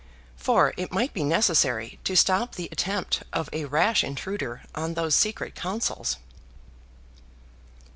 For it might be necessary to stop the attempt of a rash intruder on those secret counsels.